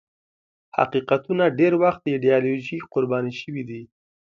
حقیقتونه ډېر وخت د ایدیالوژۍ قرباني شوي دي.